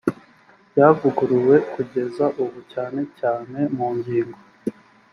ryavuguruwe kugeza ubu cyane cyane mu ngingo